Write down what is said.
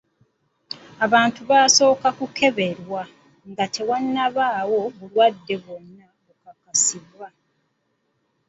Abantu basooka kukeberwa nga tewannabaawo bulwadde bwonna bukakasibwa.